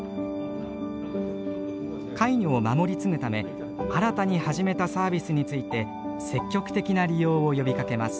カイニョを守り継ぐため新たに始めたサービスについて積極的な利用を呼びかけます。